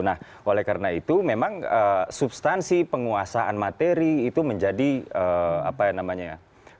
nah oleh karena itu memang substansi penguasaan materi itu menjadi apa namanya ya